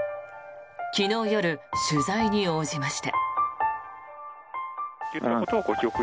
昨日夜、取材に応じました。